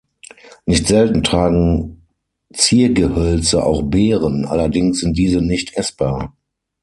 Nicht selten tragen Ziergehölze auch Beeren, allerdings sind diese nicht essbar.